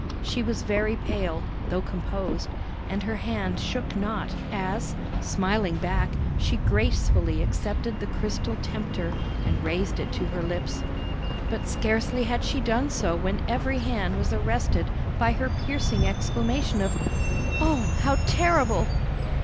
She was very pale, though composed; and her hand shook not, as, smiling back, she gracefully accepted the crystal tempter, and raised it to her lips. But scarcely had she done so when every hand was arrested by her piercing exclamation of "O, how terrible!"